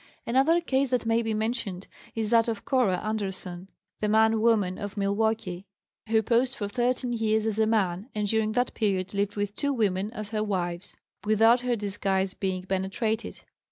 Another case that may be mentioned is that of Cora Anderson, "the man woman of Milwaukee," who posed for thirteen years as a man, and during that period lived with two women as her wives without her disguise being penetrated.